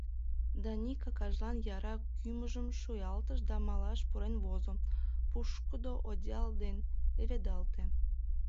Даник акажлан яра кӱмыжым шуялтыш да малаш пурен возо, пушкыдо одеял дене леведалте.